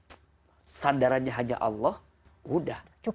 kesadarannya hanya allah sudah